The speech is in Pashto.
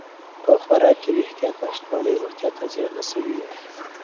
په خوراک کې د احتیاط نشتوالی روغتیا ته زیان رسوي.